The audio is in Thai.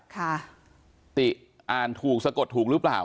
ติอ่านถูกสะกดถูกหรือเปล่า